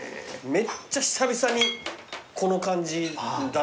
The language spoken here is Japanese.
めっちゃ久々にこの感じだな。